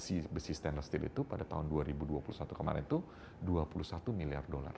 sisi besi stainless steel itu pada tahun dua ribu dua puluh satu kemarin itu dua puluh satu miliar dolar